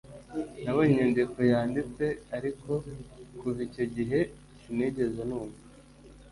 Nabonye inyandiko yanditse, ariko kuva icyo gihe sinigeze numva